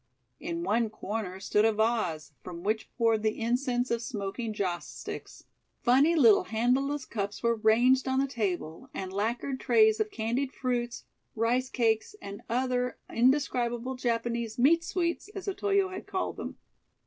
In one corner stood a vase, from which poured the incense of smoking joss sticks. Funny little handleless cups were ranged on the table and lacquered trays of candied fruits, rice cakes and other indescribable Japanese "meat sweets," as Otoyo had called them.